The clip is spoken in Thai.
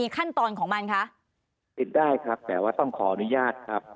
ขั้นตอนของมันคะติดได้ครับแต่ว่าต้องขออนุญาตครับ